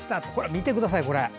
見てください、これ。